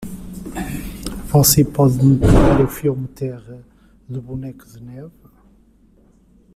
Você pode me pegar o filme Terra do Boneco de Neve?